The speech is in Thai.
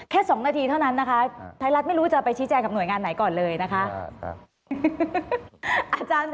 ๒นาทีเท่านั้นนะคะไทยรัฐไม่รู้จะไปชี้แจงกับหน่วยงานไหนก่อนเลยนะคะ